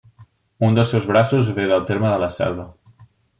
Un dels seus braços ve del terme de La Selva.